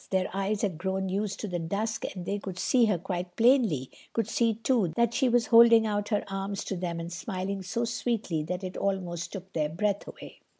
Their eyes had grown used to the dusk and they could see her quite plainly, could see too that she was holding out her arms to them and smiling so sweetly that it almost took their breath away.